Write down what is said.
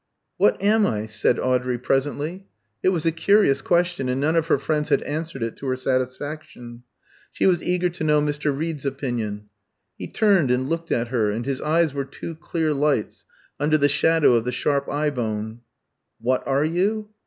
"What am I?" said Audrey, presently. It was a curious question, and none of her friends had answered it to her satisfaction. She was eager to know Mr. Reed's opinion. He turned and looked at her, and his eyes were two clear lights under the shadow of the sharp eyebone. "What are you?